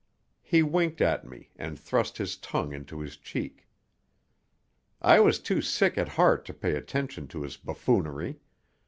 He winked at me and thrust his tongue into his cheek. I was too sick at heart to pay attention to his buffoonery.